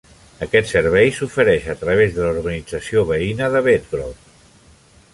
Aquest servei s'ofereix a través de la urbanització veïna de Bedgrove.